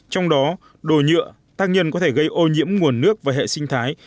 trong đó đồ nhựa tác nhân có thể gây ô nhiễm nguồn nước và hệ sinh thái